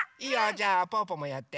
じゃあぽぅぽもやって。